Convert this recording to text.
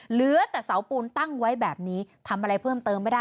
เหลือแต่เสาปูนตั้งไว้แบบนี้ทำอะไรเพิ่มเติมไม่ได้